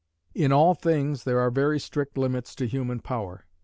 In all things there are very strict limits to human power.